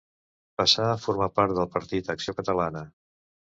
Passà a formar part del partit Acció Catalana.